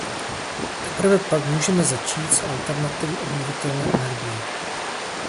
Teprve pak můžeme začít s alternativy obnovitelné energie.